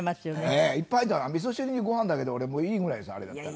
ええいっぱい入ってみそ汁にご飯だけで俺もういいぐらいですよあれだったら。